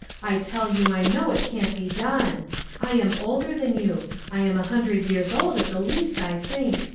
I tell you I know it can't be done. I am older than you ; I am a hun dred years old at the least, I think.